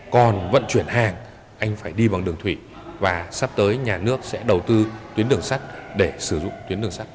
còn vận chuyển hàng anh phải đi bằng đường thủy và sắp tới nhà nước sẽ đầu tư tuyến đường sắt để sử dụng tuyến đường sắt